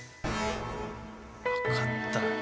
分かったよ。